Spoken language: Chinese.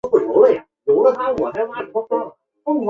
汉娜最终开始跟同事西蒙约会。